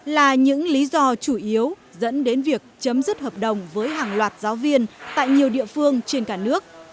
là những lý do chủ yếu dẫn đến việc chấm dứt hợp đồng với hàng loạt giáo viên tại nhiều địa phương trên cả nước